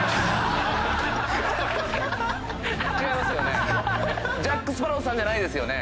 違いますよね？